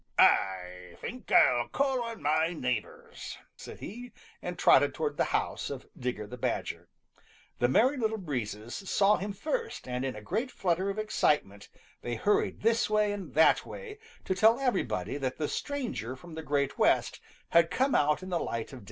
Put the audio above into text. "I think I'll call on my neighbors," said he, and trotted towards the house of Digger the Badger. The Merry Little Breezes saw him first and in a great flutter of excitement they hurried this way and that way to tell everybody that the stranger from the Great West had come out in the light of day.